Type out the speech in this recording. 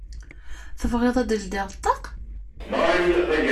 Tebɣiḍ ad d-ldiɣ ṭṭaq?